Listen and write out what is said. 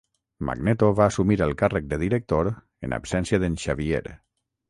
Magneto va assumir el càrrec de director en absència d'en Xavier.